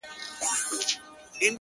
مُلا په ولاحول زموږ له کوره وو شړلی!!